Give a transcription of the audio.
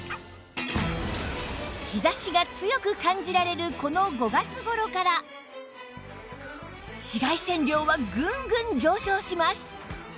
日差しが強く感じられるこの５月頃から紫外線量はぐんぐん上昇します